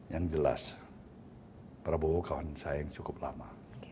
yang jelas prabowo kawan saya yang cukup lama